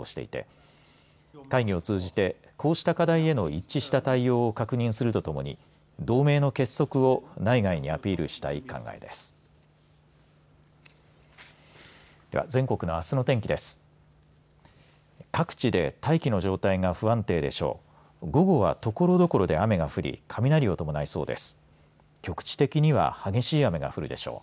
各地で大気の状態が不安定でしょう。